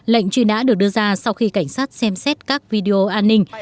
lệnh truy nã được đưa ra sau khi cảnh sát xem xét các video an ninh